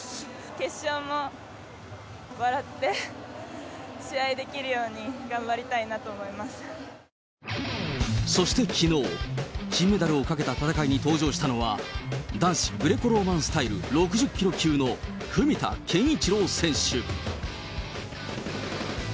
決勝も笑って試合できるように頑そしてきのう、金メダルをかけた戦いに登場したのは、男子グレコローマンスタイル６０キロ級の文田健一郎選手。